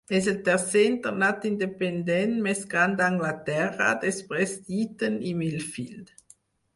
És el tercer internat independent més gran d'Anglaterra, després d'Eton i Millfield.